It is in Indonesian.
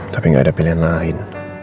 tapi nggak ada pilihan lain